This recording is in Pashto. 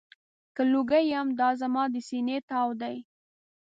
که لوګی یم، دا زما د سینې تاو دی.